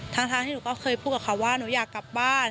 ทั้งที่หนูก็เคยพูดกับเขาว่าหนูอยากกลับบ้าน